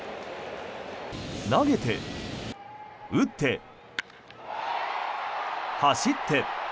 投げて、打って、走って。